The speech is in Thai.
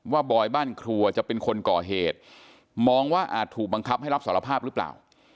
บอยบ้านครัวจะเป็นคนก่อเหตุมองว่าอาจถูกบังคับให้รับสารภาพหรือเปล่า